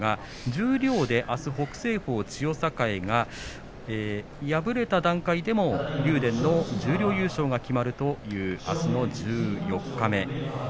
十両ではあすの北青鵬、千代栄が敗れた段階でも竜電の十両優勝が決まるというあすの十四日目。